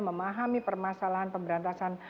memahami permasalahan pemberantasan